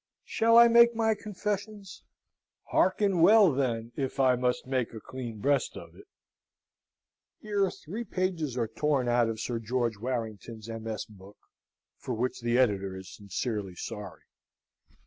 Shall I make my confessions? Hearken! Well, then, if I must make a clean breast of it. Here three pages are torn out of Sir George Warrington's MS. book, for which the editor is sincerely sorry.